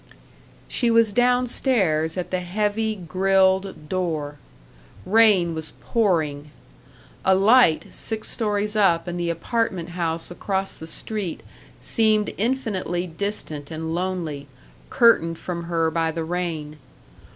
She was down stairs at the heavy, grilled door. Rain was pouring. A light six stories up in the apartment house across the street seemed infinitely distant and lonely, curtained from her by the rain.